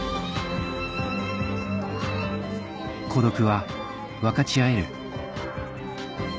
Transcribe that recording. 孤独は分かち合える